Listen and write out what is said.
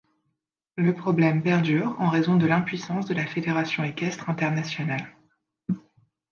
Le problème perdure en raison de l'impuissance de la Fédération équestre internationale.